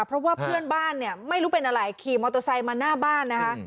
เพราะว่าเพื่อนบ้านเนี่ยไม่รู้เป็นอะไรขี่มอเตอร์ไซค์มาหน้าบ้านนะคะ